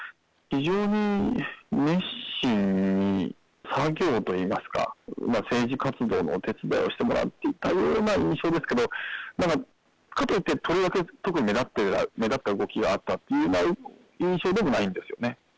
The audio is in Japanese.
非常に熱心に、作業といいますか、政治活動のお手伝いをしてもらっていたような印象ですけど、ただ、かといってとりわけ、特に目立った動きがあったというような印象でもないんですよね。